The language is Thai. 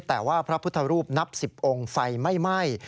แต่ว่าพระพุทธรูปนับ๑๐องค์ไฟไม่ไหม้